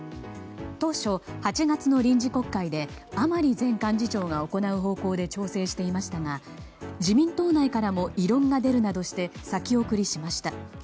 当初、８月の臨時国会で甘利前幹事長が行う方向で調整していましたが自民党内からも異論が出るなどして先送りしました。